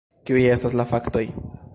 Kiuj estas la faktoj?